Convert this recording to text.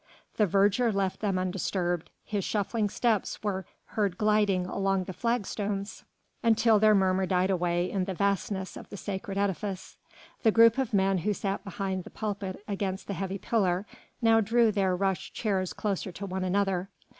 The verger left them undisturbed; his shuffling steps were heard gliding along the flagstones until their murmur died away in the vastness of the sacred edifice. The group of men who sat behind the pulpit against the heavy pillar, now drew their rush chairs closer to one another.